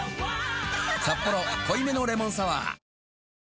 「サッポロ濃いめのレモンサワー」